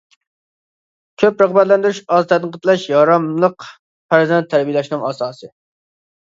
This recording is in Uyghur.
كۆپ رىغبەتلەندۈرۈش، ئاز تەنقىدلەش ياراملىق پەرزەنت تەربىيەلەشنىڭ ئاساسى.